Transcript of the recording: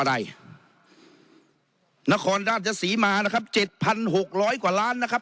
อะไรนครราชศรีมานะครับเจ็ดพันหกร้อยกว่าล้านนะครับ